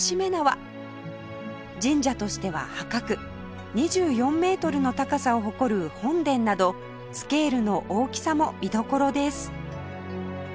神社としては破格２４メートルの高さを誇る本殿などスケールの大きさも見どころです